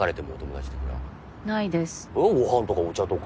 ご飯とかお茶とか。